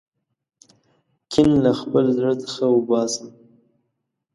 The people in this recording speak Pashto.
کین له خپل زړه څخه وباسم.